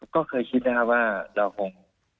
ก็เคยคิดนะครับว่าเราคง